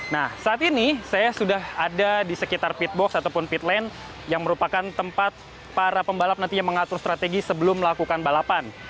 nah saat ini saya sudah ada di sekitar pitbox ataupun pit lane yang merupakan tempat para pembalap nantinya mengatur strategi sebelum melakukan balapan